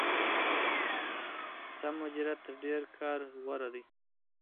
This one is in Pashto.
سم مديريت تر ډېر کار غوره دی.